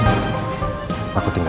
aku akan mencari kebenaran